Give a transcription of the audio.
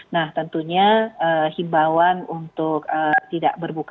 nah tentunya himbawan untuk tidak berbuka